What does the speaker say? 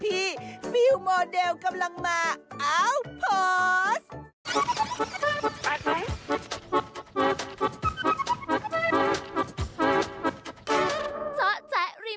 พี่ฟิล์มโมเดลกำลังมาอัลโพสต์